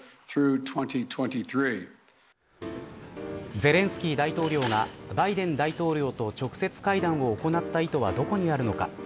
ゼレンスキー大統領がバイデン大統領と直接会談を行った意図はどこにあるのか。